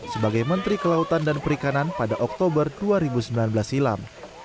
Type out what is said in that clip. sebagai menteri kelautan dan perikanan pada oktober dua ribu sembilan belas silam